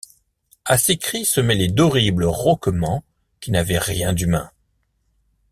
À ces cris se mêlaient d’horribles rauquements qui n’avaient rien d’humain.